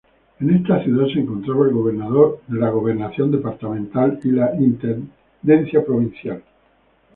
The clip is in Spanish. En esta ciudad se encontraba la Gobernación Departamental y la Intendencia Provincial.